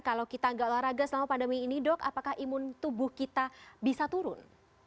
kalau kita nggak olahraga selama pandemi ini dok apakah imun tubuh kita bisa turun